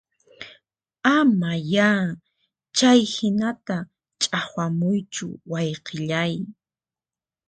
Ama ya chayhinata ch'aqwamuychu wayqillay